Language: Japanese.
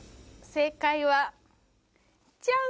正解はジャン！